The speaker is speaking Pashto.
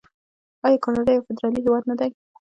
آیا کاناډا یو فدرالي هیواد نه دی؟